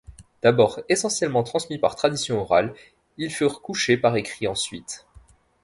D'abord essentiellement transmis par tradition orale, ils furent couchés par écrit ensuite.